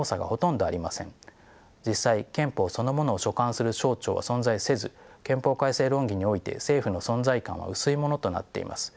実際憲法そのものを所管する省庁は存在せず憲法改正論議において政府の存在感は薄いものとなっています。